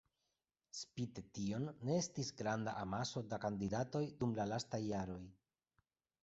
Spite tion ne estis granda amaso da kandidatoj dum la lastaj jaroj.